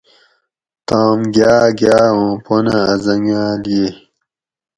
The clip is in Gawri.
توم گاٞ گاٞ اُوں پنہ اٞ زنگاٞل ییۓ